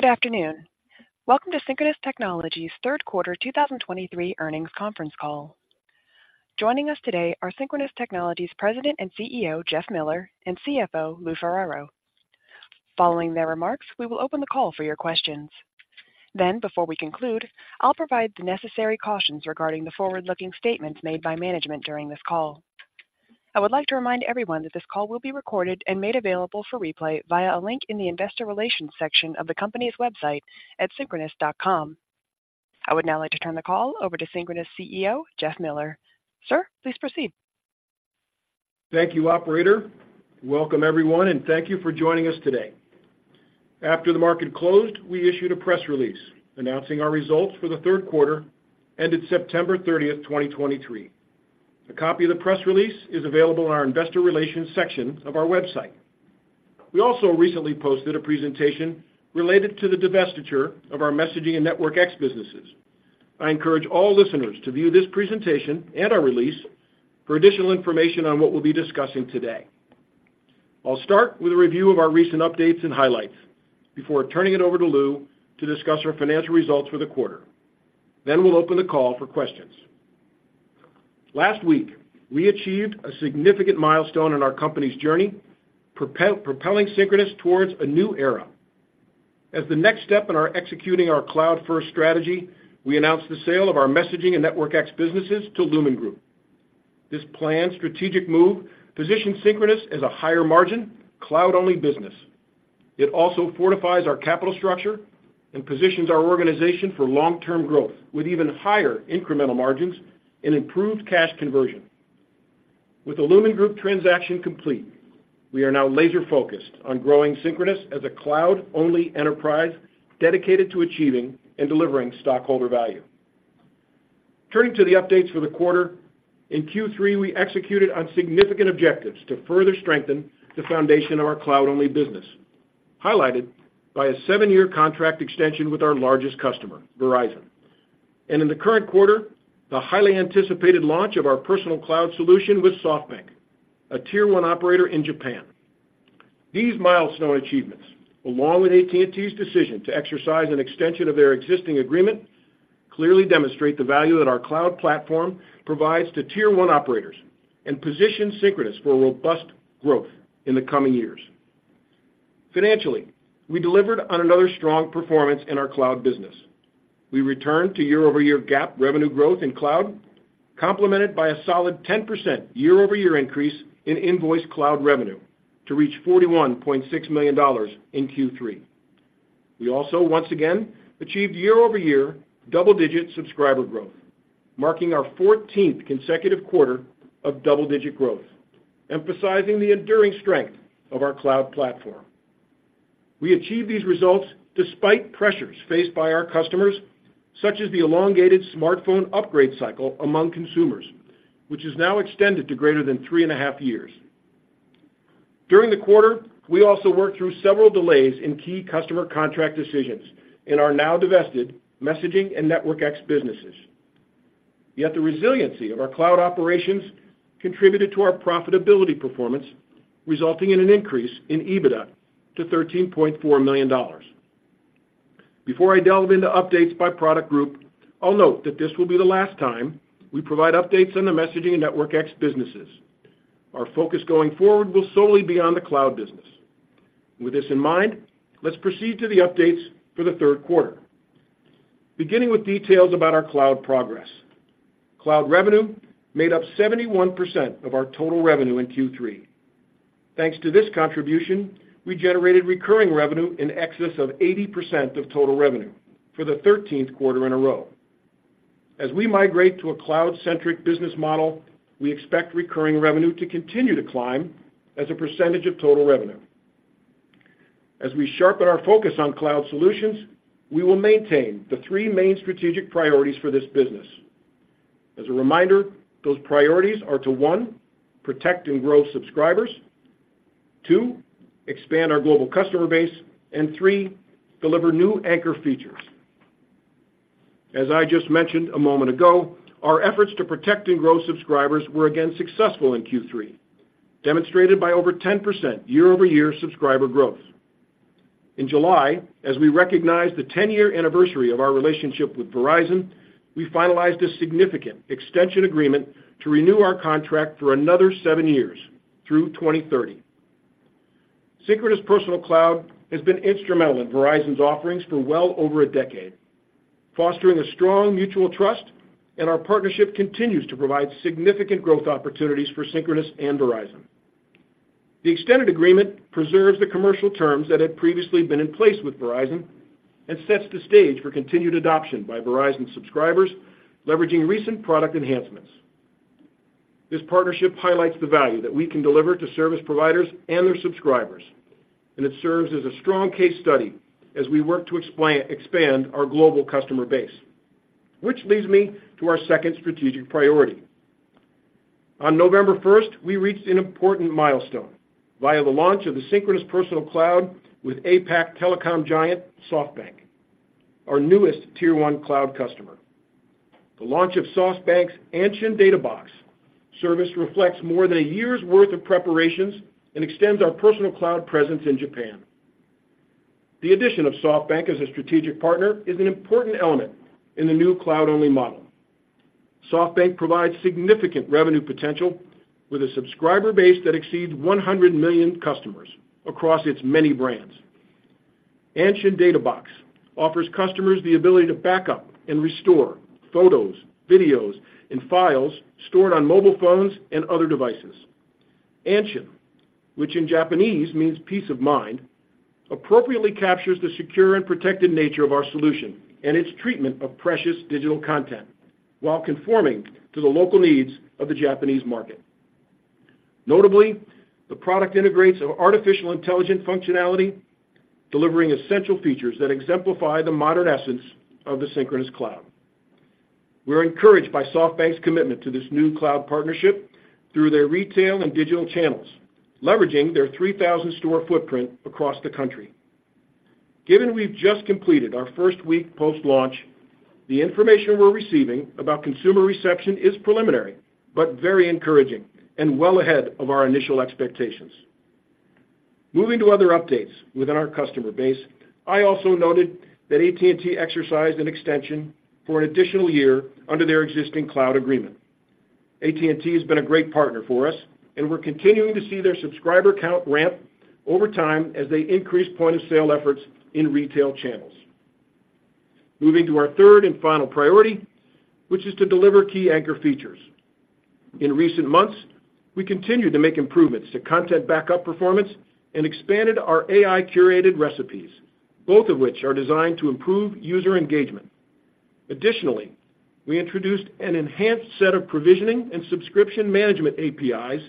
Good afternoon. Welcome to Synchronoss Technologies' third quarter 2023 earnings conference call. Joining us today are Synchronoss Technologies' President and CEO, Jeff Miller, and CFO, Lou Ferraro. Following their remarks, we will open the call for your questions. Then, before we conclude, I'll provide the necessary cautions regarding the forward-looking statements made by management during this call. I would like to remind everyone that this call will be recorded and made available for replay via a link in the Investor Relations section of the company's website at synchronoss.com. I would now like to turn the call over to Synchronoss' CEO, Jeff Miller. Sir, please proceed. Thank you, operator. Welcome, everyone, and thank you for joining us today. After the market closed, we issued a press release announcing our results for the third quarter, ended September 30th, 2023. A copy of the press release is available in our Investor Relations section of our website. We also recently posted a presentation related to the divestiture of our Messaging and NetworkX businesses. I encourage all listeners to view this presentation and our release for additional information on what we'll be discussing today. I'll start with a review of our recent updates and highlights before turning it over to Lou to discuss our financial results for the quarter. Then we'll open the call for questions. Last week, we achieved a significant milestone in our company's journey, propelling Synchronoss towards a new era. As the next step in executing our cloud-first strategy, we announced the sale of our Messaging and NetworkX businesses to Lumine Group. This planned strategic move positions Synchronoss as a higher-margin, cloud-only business. It also fortifies our capital structure and positions our organization for long-term growth, with even higher incremental margins and improved cash conversion. With the Lumine Group transaction complete, we are now laser-focused on growing Synchronoss as a cloud-only enterprise dedicated to achieving and delivering stockholder value. Turning to the updates for the quarter, in Q3, we executed on significant objectives to further strengthen the foundation of our cloud-only business, highlighted by a seven-year contract extension with our largest customer, Verizon. In the current quarter, the highly anticipated launch of our Personal Cloud solution with SoftBank, a Tier 1 operator in Japan. These milestone achievements, along with AT&T's decision to exercise an extension of their existing agreement, clearly demonstrate the value that our cloud platform provides to Tier 1 operators and position Synchronoss for robust growth in the coming years. Financially, we delivered on another strong performance in our cloud business. We returned to year-over-year GAAP revenue growth in cloud, complemented by a solid 10% year-over-year increase in invoiced cloud revenue to reach $41.6 million in Q3. We also, once again, achieved year-over-year double-digit subscriber growth, marking our fourteenth consecutive quarter of double-digit growth, emphasizing the enduring strength of our cloud platform. We achieved these results despite pressures faced by our customers, such as the elongated smartphone upgrade cycle among consumers, which is now extended to greater than three and a half years. During the quarter, we also worked through several delays in key customer contract decisions in our now-divested Messaging and NetworkX businesses. Yet the resiliency of our cloud operations contributed to our profitability performance, resulting in an increase in EBITDA to $13.4 million. Before I delve into updates by product group, I'll note that this will be the last time we provide updates on the Messaging and NetworkX businesses. Our focus going forward will solely be on the cloud business. With this in mind, let's proceed to the updates for the third quarter. Beginning with details about our cloud progress. Cloud revenue made up 71% of our total revenue in Q3. Thanks to this contribution, we generated recurring revenue in excess of 80% of total revenue for the thirteenth quarter in a row. As we migrate to a cloud-centric business model, we expect recurring revenue to continue to climb as a percentage of total revenue. As we sharpen our focus on cloud solutions, we will maintain the three main strategic priorities for this business. As a reminder, those priorities are to, 1, protect and grow subscribers, 2, expand our global customer base, and 3, deliver new anchor features. As I just mentioned a moment ago, our efforts to protect and grow subscribers were again successful in Q3, demonstrated by over 10% year-over-year subscriber growth. In July, as we recognized the 10-year anniversary of our relationship with Verizon, we finalized a significant extension agreement to renew our contract for another seven years, through 2030. Synchronoss Personal Cloud has been instrumental in Verizon's offerings for well over a decade, fostering a strong mutual trust, and our partnership continues to provide significant growth opportunities for Synchronoss and Verizon. The extended agreement preserves the commercial terms that had previously been in place with Verizon and sets the stage for continued adoption by Verizon subscribers, leveraging recent product enhancements. This partnership highlights the value that we can deliver to service providers and their subscribers, and it serves as a strong case study as we work to expand our global customer base, which leads me to our second strategic priority. On November 1st, we reached an important milestone via the launch of the Synchronoss Personal Cloud with APAC telecom giant, SoftBank, our newest Tier 1 cloud customer. The launch of SoftBank's Anshin Data Box service reflects more than a year's worth of preparations and extends our personal cloud presence in Japan. The addition of SoftBank as a strategic partner is an important element in the new cloud-only model. SoftBank provides significant revenue potential, with a subscriber base that exceeds 100 million customers across its many brands. Anshin Data Box offers customers the ability to back up and restore photos, videos, and files stored on mobile phones and other devices. Anshin, which in Japanese means peace of mind, appropriately captures the secure and protected nature of our solution and its treatment of precious digital content, while conforming to the local needs of the Japanese market. Notably, the product integrates artificial intelligence functionality, delivering essential features that exemplify the modern essence of the Synchronoss cloud. We're encouraged by SoftBank's commitment to this new cloud partnership through their retail and digital channels, leveraging their 3,000 store footprint across the country. Given we've just completed our first week post-launch, the information we're receiving about consumer reception is preliminary, but very encouraging and well ahead of our initial expectations. Moving to other updates within our customer base, I also noted that AT&T exercised an extension for an additional year under their existing cloud agreement. AT&T has been a great partner for us, and we're continuing to see their subscriber count ramp over time as they increase point-of-sale efforts in retail channels. Moving to our third and final priority, which is to deliver key anchor features. In recent months, we continued to make improvements to content backup performance and expanded our AI-curated recipes, both of which are designed to improve user engagement. Additionally, we introduced an enhanced set of provisioning and subscription management APIs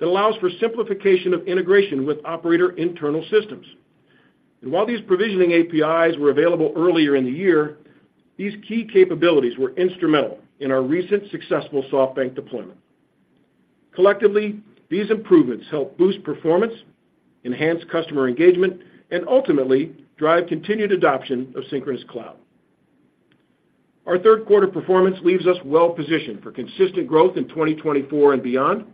that allows for simplification of integration with operator internal systems. While these provisioning APIs were available earlier in the year, these key capabilities were instrumental in our recent successful SoftBank deployment. Collectively, these improvements help boost performance, enhance customer engagement, and ultimately, drive continued adoption of Synchronoss Cloud. Our third quarter performance leaves us well positioned for consistent growth in 2024 and beyond.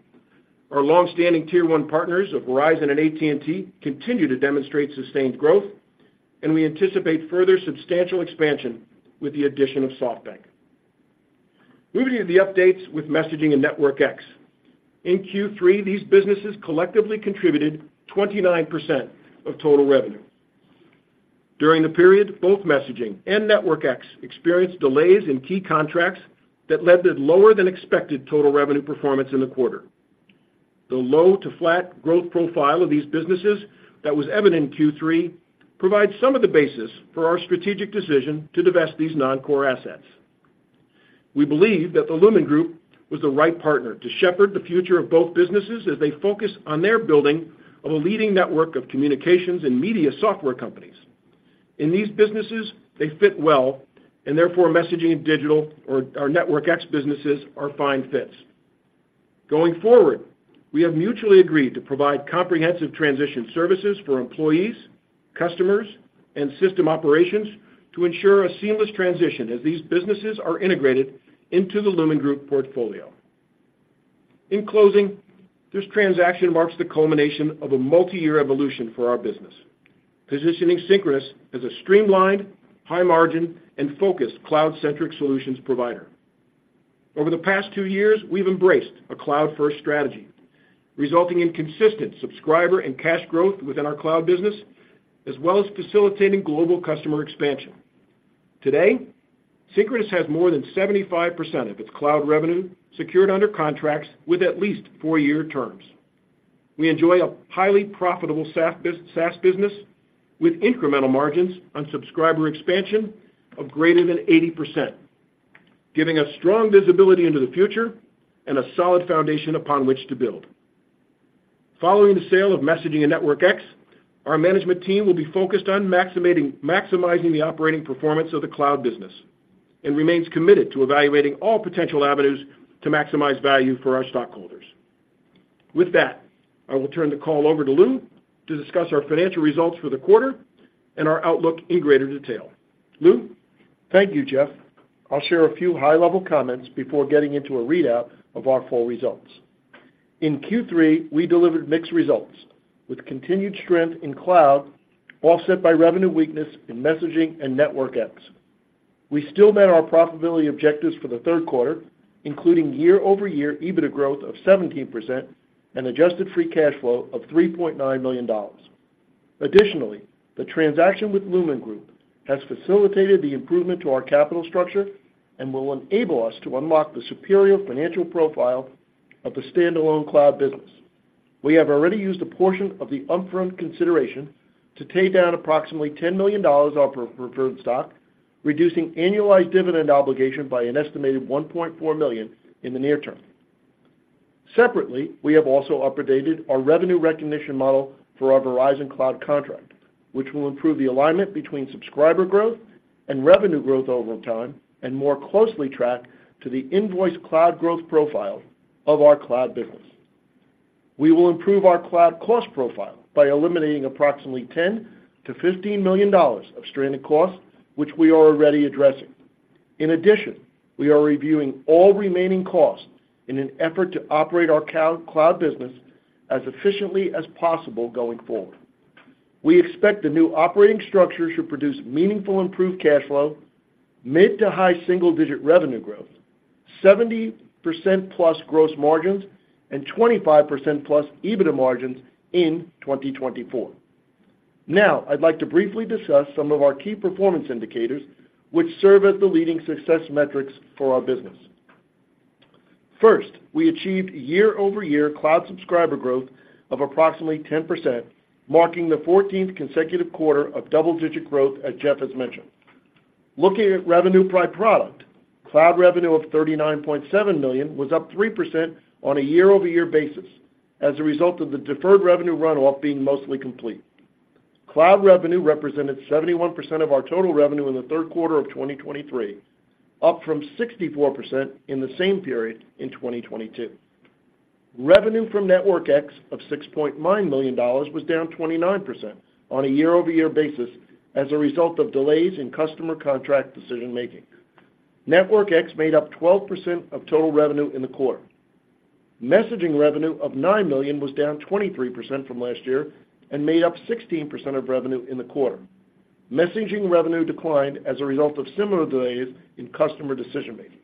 Our long-standing Tier 1 partners of Verizon and AT&T continue to demonstrate sustained growth, and we anticipate further substantial expansion with the addition of SoftBank. Moving to the updates with Messaging and NetworkX. In Q3, these businesses collectively contributed 29% of total revenue. During the period, both Messaging and NetworkX experienced delays in key contracts that led to lower than expected total revenue performance in the quarter. The low to flat growth profile of these businesses that was evident in Q3, provides some of the basis for our strategic decision to divest these non-core assets. We believe that the Lumine Group was the right partner to shepherd the future of both businesses as they focus on their building of a leading network of communications and media software companies. In these businesses, they fit well, and therefore, Messaging and digital, or our NetworkX businesses are fine fits. Going forward, we have mutually agreed to provide comprehensive transition services for employees, customers, and system operations to ensure a seamless transition as these businesses are integrated into the Lumine Group portfolio. In closing, this transaction marks the culmination of a multi-year evolution for our business, positioning Synchronoss as a streamlined, high-margin, and focused cloud-centric solutions provider. Over the past two years, we've embraced a cloud-first strategy, resulting in consistent subscriber and cash growth within our cloud business, as well as facilitating global customer expansion. Today, Synchronoss has more than 75% of its cloud revenue secured under contracts with at least four-year terms. We enjoy a highly profitable SaaS business, with incremental margins on subscriber expansion of greater than 80%, giving us strong visibility into the future and a solid foundation upon which to build. Following the sale of Messaging and NetworkX, our management team will be focused on maximizing the operating performance of the cloud business, and remains committed to evaluating all potential avenues to maximize value for our stockholders. With that, I will turn the call over to Lou to discuss our financial results for the quarter and our outlook in greater detail. Lou? Thank you, Jeff. I'll share a few high-level comments before getting into a readout of our full results. In Q3, we delivered mixed results, with continued strength in cloud, offset by revenue weakness in Messaging and NetworkX. We still met our profitability objectives for the third quarter, including year-over-year EBITDA growth of 17% and adjusted free cash flow of $3.9 million. Additionally, the transaction with Lumine Group has facilitated the improvement to our capital structure and will enable us to unlock the superior financial profile of the standalone cloud business. We have already used a portion of the upfront consideration to pay down approximately $10 million of preferred stock, reducing annualized dividend obligation by an estimated $1.4 million in the near term. Separately, we have also updated our revenue recognition model for our Verizon Cloud contract, which will improve the alignment between subscriber growth and revenue growth over time, and more closely track to the invoiced cloud growth profile of our cloud business. We will improve our cloud cost profile by eliminating approximately $10 million-$15 million of stranded costs, which we are already addressing. In addition, we are reviewing all remaining costs in an effort to operate our cloud business as efficiently as possible going forward. We expect the new operating structure should produce meaningful improved cash flow, mid- to high single-digit revenue growth, 70%+ gross margins, and 25%+ EBITDA margins in 2024. Now, I'd like to briefly discuss some of our key performance indicators, which serve as the leading success metrics for our business. First, we achieved year-over-year cloud subscriber growth of approximately 10%, marking the fourteenth consecutive quarter of double-digit growth, as Jeff has mentioned. Looking at revenue by product, cloud revenue of $39.7 million was up 3% on a year-over-year basis as a result of the deferred revenue runoff being mostly complete. Cloud revenue represented 71% of our total revenue in the third quarter of 2023, up from 64% in the same period in 2022. Revenue from NetworkX of $6.9 million was down 29% on a year-over-year basis as a result of delays in customer contract decision-making. NetworkX made up 12% of total revenue in the quarter. Messaging revenue of $9 million was down 23% from last year and made up 16% of revenue in the quarter. Messaging revenue declined as a result of similar delays in customer decision-making.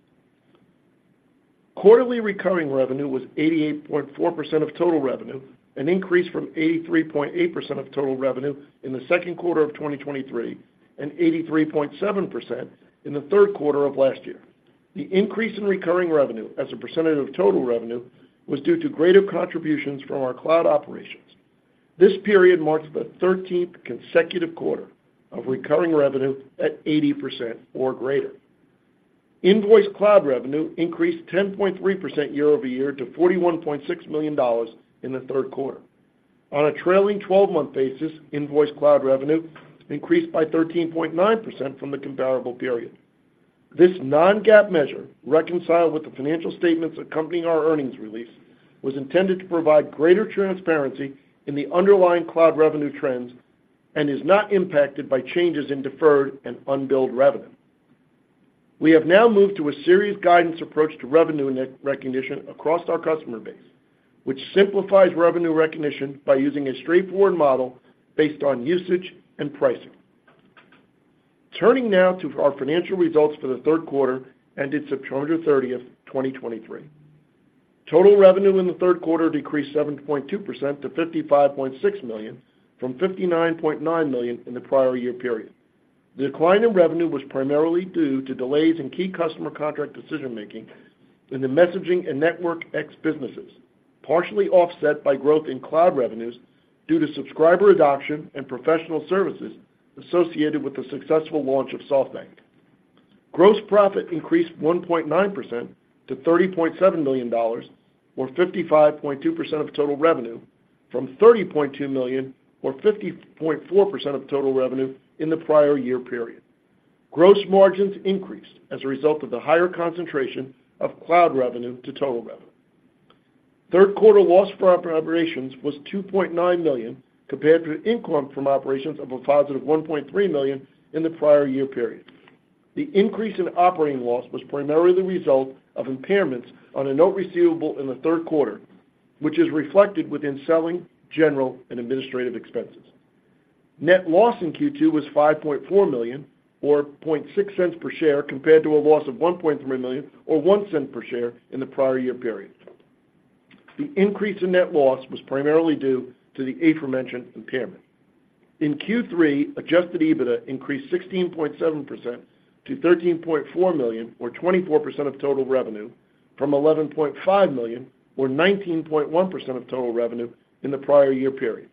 Quarterly recurring revenue was 88.4% of total revenue, an increase from 83.8% of total revenue in the second quarter of 2023, and 83.7% in the third quarter of last year. The increase in recurring revenue as a percentage of total revenue was due to greater contributions from our cloud operations. This period marks the 13th consecutive quarter of recurring revenue at 80% or greater. Invoiced cloud revenue increased 10.3% year-over-year to $41.6 million in the third quarter. On a trailing twelve-month basis, invoiced cloud revenue increased by 13.9% from the comparable period. This non-GAAP measure, reconciled with the financial statements accompanying our earnings release, was intended to provide greater transparency in the underlying cloud revenue trends and is not impacted by changes in deferred and unbilled revenue. We have now moved to a subscription guidance approach to revenue recognition across our customer base, which simplifies revenue recognition by using a straightforward model based on usage and pricing. Turning now to our financial results for the third quarter ended September 30th, 2023. Total revenue in the third quarter decreased 7.2% to $55.6 million from $59.9 million in the prior year period. The decline in revenue was primarily due to delays in key customer contract decision-making in the Messaging and NetworkX businesses, partially offset by growth in cloud revenues due to subscriber adoption and professional services associated with the successful launch of SoftBank. Gross profit increased 1.9% to $30.7 million, or 55.2% of total revenue, from $30.2 million, or 50.4% of total revenue in the prior year period. Gross margins increased as a result of the higher concentration of cloud revenue to total revenue. Third quarter loss for operations was $2.9 million, compared to an income from operations of a +$1.3 million in the prior year period. The increase in operating loss was primarily the result of impairments on a note receivable in the third quarter, which is reflected within selling, general, and administrative expenses. Net loss in Q2 was $5.4 million, or $0.006 per share, compared to a loss of $1.3 million or $0.01 per share in the prior year period. The increase in net loss was primarily due to the aforementioned impairment. In Q3, Adjusted EBITDA increased 16.7% to $13.4 million, or 24% of total revenue, from $11.5 million, or 19.1% of total revenue in the prior year period.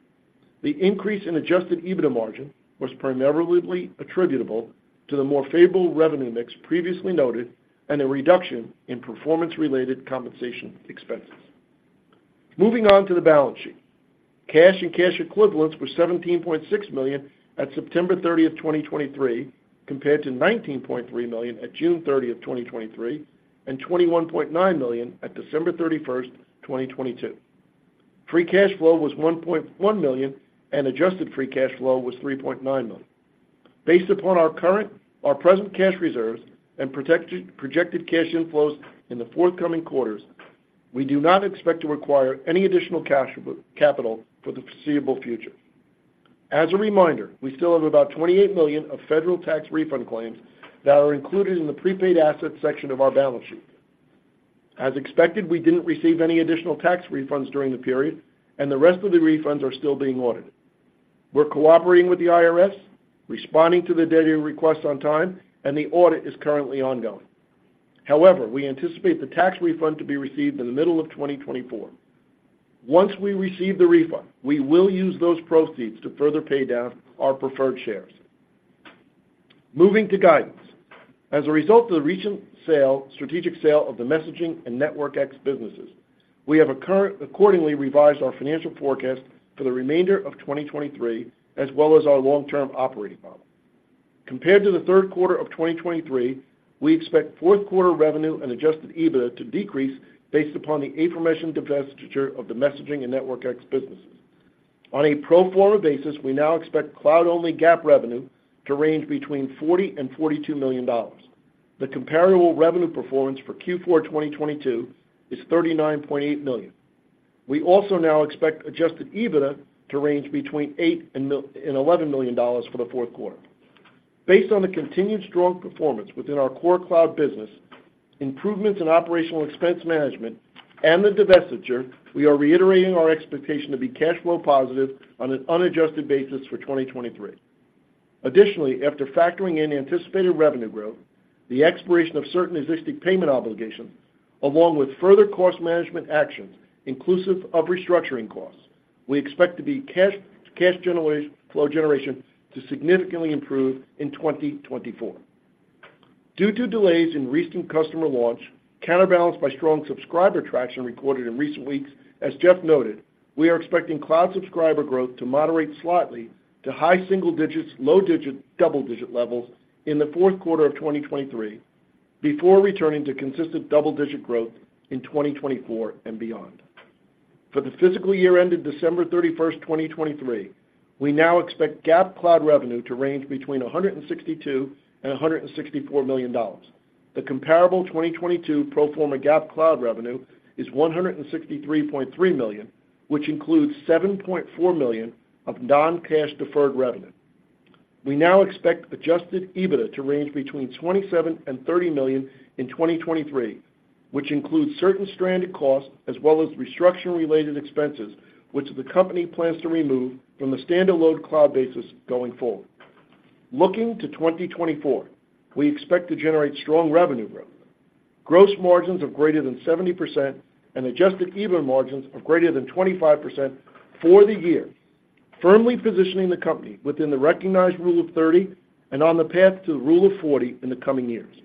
The increase in Adjusted EBITDA margin was primarily attributable to the more favorable revenue mix previously noted and a reduction in performance-related compensation expenses. Moving on to the balance sheet. Cash and cash equivalents were $17.6 million at September 30th, 2023, compared to $19.3 million at June 30th, 2023, and $21.9 million at December 31st, 2022. Free cash flow was $1.1 million, and adjusted free cash flow was $3.9 million. Based upon our present cash reserves and projected cash inflows in the forthcoming quarters, we do not expect to require any additional cash capital for the foreseeable future. As a reminder, we still have about $28 million of federal tax refund claims that are included in the prepaid assets section of our balance sheet. As expected, we didn't receive any additional tax refunds during the period, and the rest of the refunds are still being audited. We're cooperating with the IRS, responding to the data requests on time, and the audit is currently ongoing. However, we anticipate the tax refund to be received in the middle of 2024. Once we receive the refund, we will use those proceeds to further pay down our preferred shares. Moving to guidance. As a result of the recent strategic sale of the messaging and NetworkX businesses, we have accordingly revised our financial forecast for the remainder of 2023, as well as our long-term operating model. Compared to the third quarter of 2023, we expect fourth quarter revenue and Adjusted EBITDA to decrease based upon the aforementioned divestiture of the Messaging and NetworkX businesses. On a pro forma basis, we now expect cloud-only GAAP revenue to range between $40 million and $42 million. The comparable revenue performance for Q4 2022 is $39.8 million. We also now expect adjusted EBITDA to range between $8 million and $11 million for the fourth quarter. Based on the continued strong performance within our core cloud business, improvements in operational expense management, and the divestiture, we are reiterating our expectation to be cash flow positive on an unadjusted basis for 2023. Additionally, after factoring in anticipated revenue growth, the expiration of certain existing payment obligations, along with further cost management actions, inclusive of restructuring costs, we expect cash flow generation to significantly improve in 2024. Due to delays in recent customer launch, counterbalanced by strong subscriber traction recorded in recent weeks, as Jeff noted, we are expecting cloud subscriber growth to moderate slightly to high single digits, low double-digit levels in the fourth quarter of 2023, before returning to consistent double-digit growth in 2024 and beyond. For the fiscal year ended December 31st, 2023, we now expect GAAP cloud revenue to range between $162 million and $164 million. The comparable 2022 pro forma GAAP cloud revenue is $163.3 million, which includes $7.4 million of non-cash deferred revenue. We now expect Adjusted EBITDA to range between $27 million and $30 million in 2023, which includes certain stranded costs as well as restructuring-related expenses, which the company plans to remove from the standalone cloud basis going forward. Looking to 2024, we expect to generate strong revenue growth, gross margins of greater than 70%, and Adjusted EBITDA margins of greater than 25% for the year, firmly positioning the company within the recognized Rule of 30 and on the path to the Rule of 40 in the coming years.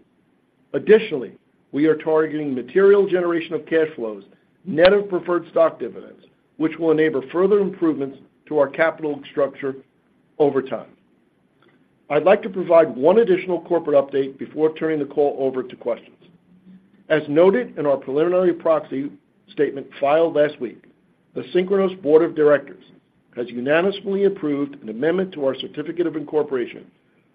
Additionally, we are targeting material generation of cash flows, net of preferred stock dividends, which will enable further improvements to our capital structure over time. I'd like to provide one additional corporate update before turning the call over to questions. As noted in our preliminary proxy statement filed last week, the Synchronoss Board of Directors has unanimously approved an amendment to our certificate of incorporation,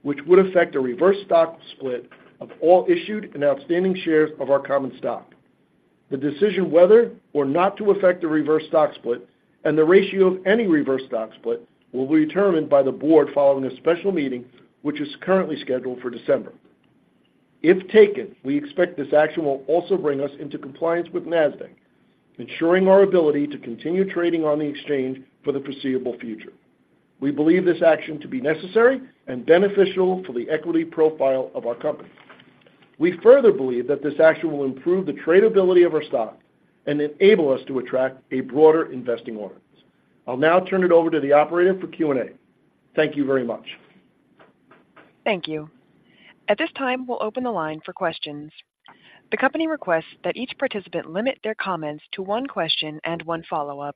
which would affect a reverse stock split of all issued and outstanding shares of our common stock. The decision whether or not to affect the reverse stock split and the ratio of any reverse stock split will be determined by the board following a special meeting, which is currently scheduled for December. If taken, we expect this action will also bring us into compliance with Nasdaq, ensuring our ability to continue trading on the exchange for the foreseeable future. We believe this action to be necessary and beneficial for the equity profile of our company. We further believe that this action will improve the tradability of our stock and enable us to attract a broader investing audience. I'll now turn it over to the operator for Q&A. Thank you very much. Thank you. At this time, we'll open the line for questions. The company requests that each participant limit their comments to one question and one follow-up.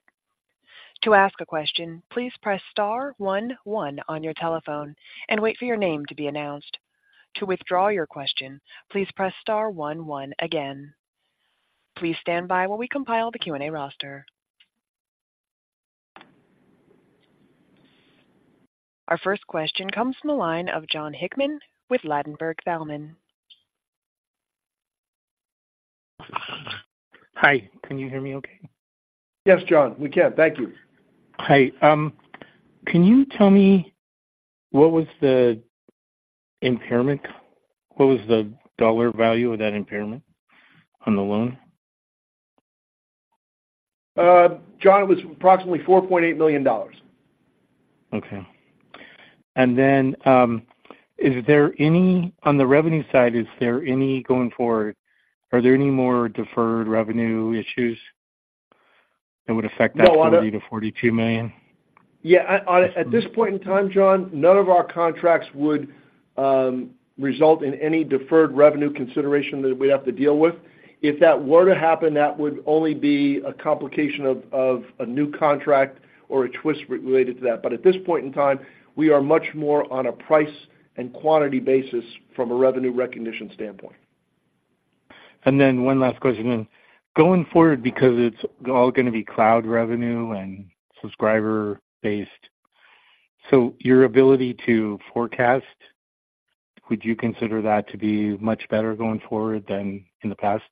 To ask a question, please press star one one on your telephone and wait for your name to be announced. To withdraw your question, please press star one one again. Please stand by while we compile the Q&A roster. Our first question comes from the line of Jon Hickman with Ladenburg Thalmann. Hi, can you hear me okay? Yes, Jon, we can. Thank you. Hi, can you tell me what was the impairment? What was the dollar value of that impairment on the loan? John, it was approximately $4.8 million. Okay. Then, is there any... On the revenue side, is there any going forward, are there any more deferred revenue issues that would affect that $40 million-$42 million? Yeah, at this point in time, Jon, none of our contracts would result in any deferred revenue consideration that we'd have to deal with. If that were to happen, that would only be a complication of a new contract or a twist related to that. But at this point in time, we are much more on a price and quantity basis from a revenue recognition standpoint. Then one last question. Going forward, because it's all gonna be cloud revenue and subscriber-based, so your ability to forecast, would you consider that to be much better going forward than in the past?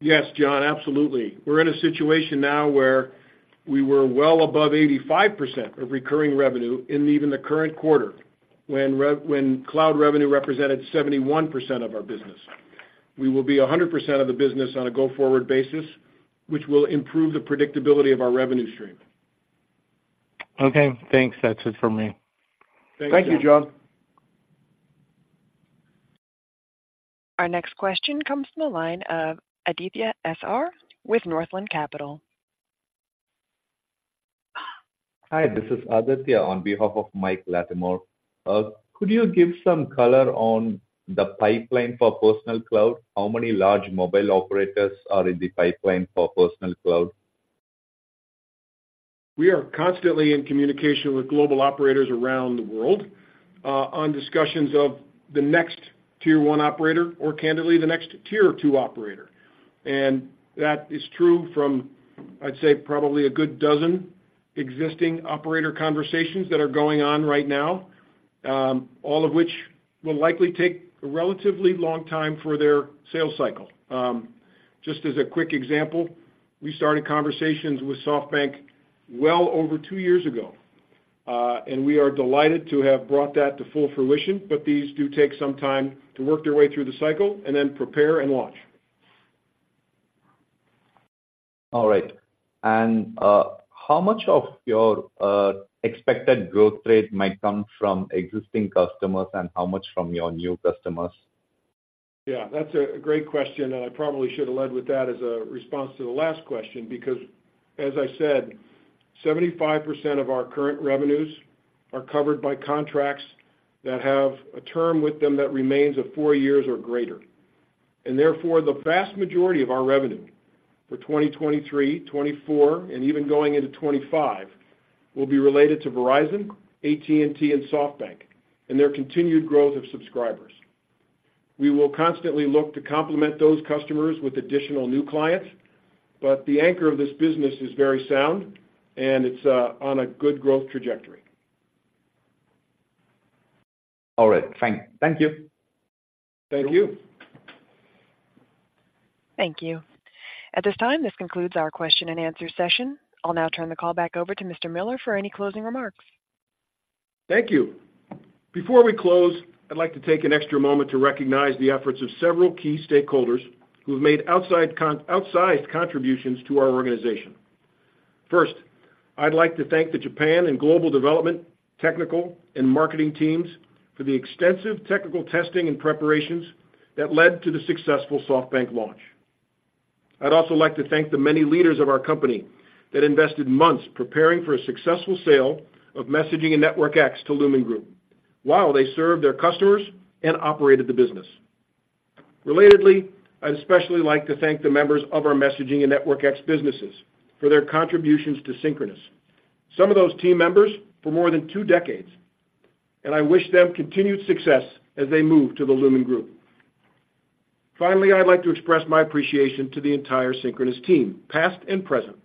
Yes, Jon, absolutely. We're in a situation now where we were well above 85% of recurring revenue in even the current quarter, when cloud revenue represented 71% of our business. We will be 100% of the business on a go-forward basis, which will improve the predictability of our revenue stream. Okay, thanks. That's it for me. Thank you, Jon. Our next question comes from the line of Aditya Sridhar with Northland Capital. Hi, this is Aditya on behalf of Mike Latimore. Could you give some color on the pipeline for Personal Cloud? How many large mobile operators are in the pipeline for Personal Cloud? We are constantly in communication with global operators around the world, on discussions of the next Tier 1 operator or candidly, the next Tier 2 operator. And that is true from, I'd say, probably a good dozen existing operator conversations that are going on right now, all of which will likely take a relatively long time for their sales cycle. Just as a quick example, we started conversations with SoftBank well over two years ago, and we are delighted to have brought that to full fruition. But these do take some time to work their way through the cycle and then prepare and launch. All right. How much of your expected growth rate might come from existing customers, and how much from your new customers? Yeah, that's a great question, and I probably should have led with that as a response to the last question, because as I said, 75% of our current revenues are covered by contracts that have a term with them that remains of four years or greater. Therefore, the vast majority of our revenue for 2023, 2024, and even going into 2025, will be related to Verizon, AT&T, and SoftBank, and their continued growth of subscribers. We will constantly look to complement those customers with additional new clients, but the anchor of this business is very sound, and it's on a good growth trajectory. All right. Thank you. Thank you. Thank you. At this time, this concludes our question and answer session. I'll now turn the call back over to Mr. Miller for any closing remarks. Thank you. Before we close, I'd like to take an extra moment to recognize the efforts of several key stakeholders who have made outsized contributions to our organization. First, I'd like to thank the Japan and Global Development, Technical, and Marketing teams for the extensive technical testing and preparations that led to the successful SoftBank launch. I'd also like to thank the many leaders of our company that invested months preparing for a successful sale of Messaging and NetworkX to Lumine Group, while they served their customers and operated the business. Relatedly, I'd especially like to thank the members of our Messaging and NetworkX businesses for their contributions to Synchronoss. Some of those team members for more than two decades, and I wish them continued success as they move to the Lumine Group. Finally, I'd like to express my appreciation to the entire Synchronoss team, past and present.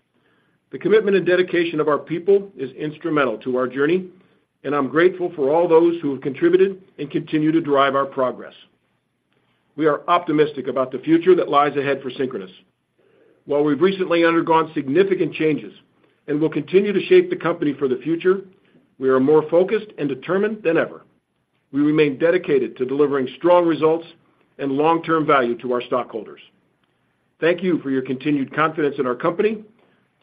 The commitment and dedication of our people is instrumental to our journey, and I'm grateful for all those who have contributed and continue to drive our progress. We are optimistic about the future that lies ahead for Synchronoss. While we've recently undergone significant changes and will continue to shape the company for the future, we are more focused and determined than ever. We remain dedicated to delivering strong results and long-term value to our stockholders. Thank you for your continued confidence in our company.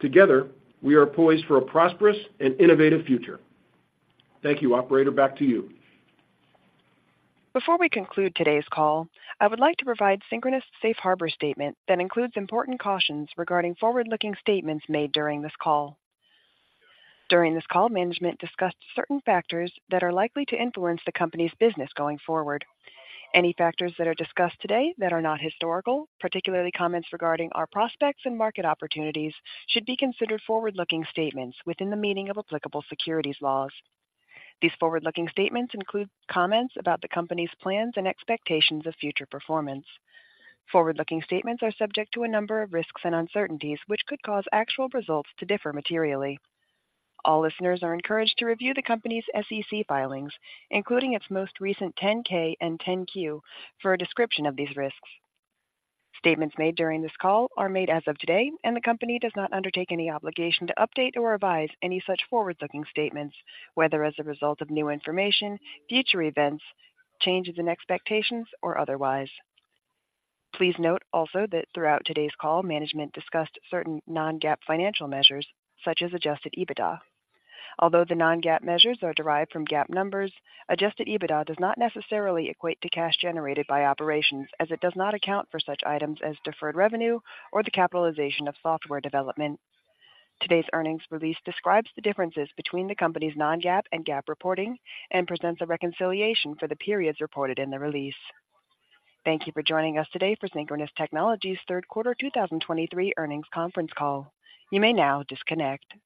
Together, we are poised for a prosperous and innovative future. Thank you, operator, back to you. Before we conclude today's call, I would like to provide Synchronoss's safe harbor statement that includes important cautions regarding forward-looking statements made during this call. During this call, management discussed certain factors that are likely to influence the company's business going forward. Any factors that are discussed today that are not historical, particularly comments regarding our prospects and market opportunities, should be considered forward-looking statements within the meaning of applicable securities laws. These forward-looking statements include comments about the company's plans and expectations of future performance. Forward-looking statements are subject to a number of risks and uncertainties, which could cause actual results to differ materially. All listeners are encouraged to review the company's SEC filings, including its most recent 10-K and 10-Q, for a description of these risks. Statements made during this call are made as of today, and the company does not undertake any obligation to update or revise any such forward-looking statements, whether as a result of new information, future events, changes in expectations, or otherwise. Please note also that throughout today's call, management discussed certain non-GAAP financial measures, such as Adjusted EBITDA. Although the non-GAAP measures are derived from GAAP numbers, Adjusted EBITDA does not necessarily equate to cash generated by operations, as it does not account for such items as deferred revenue or the capitalization of software development. Today's earnings release describes the differences between the company's non-GAAP and GAAP reporting and presents a reconciliation for the periods reported in the release. Thank you for joining us today for Synchronoss Technologies' third quarter 2023 earnings conference call. You may now disconnect